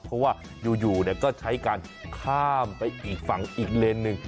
เพราะว่าอยู่ก็ใช้การข้ามไปอีกฝั่งอีกเลนหนึ่ง